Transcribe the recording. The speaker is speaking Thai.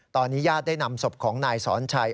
ตอนนี้ญาติได้นำศพของนายสอนชัย